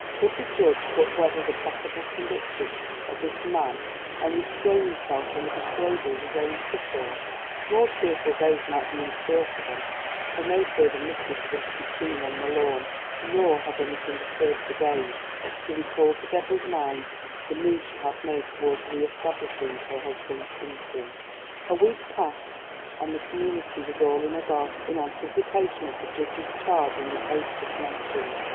Could the judge but weather the possible conviction of this man and restrain himself from a disclosure of his own suffering, more cheerful days might be in store for them, for no further missives were to be seen on the lawn, nor had anything occurred for days to recall to Deborah's mind the move she had made towards re establishing her husband's innocence. A week passed, and the community was all agog, in anticipation of the judge's charge in the case just mentioned.